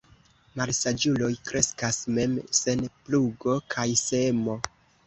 Malsaĝuloj kreskas mem, sen plugo kaj semo.